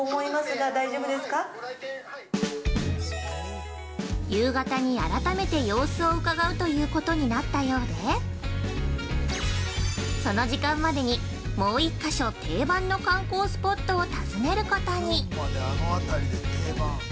◆夕方に、改めて様子をうかがうということになったようでその時間までにもう１か所、定番の観光スポットを訪ねることに。